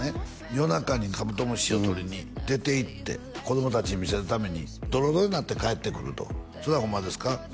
夜中にカブトムシをとりに出ていって子供達に見せるためにドロドロになって帰ってくるとそれはホンマですか？